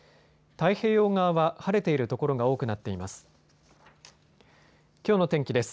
太平洋側は晴れている所が多くなっています。